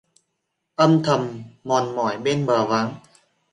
Âm thầm mòn mỏi bên bờ vắng,